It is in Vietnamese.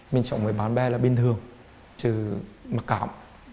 mình sống với bạn bè là bình thường trừ mặc cảm